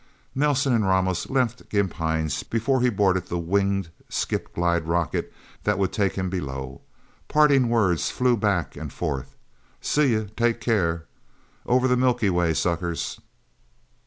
Nelsen and Ramos left Gimp Hines before he boarded the winged skip glide rocket that would take him below. Parting words flew back and forth. "See you... Take care... Over the Milky Way, suckers..."